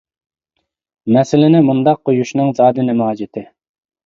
مەسىلىنى مۇنداق قويۇشنىڭ زادى نېمە ھاجىتى.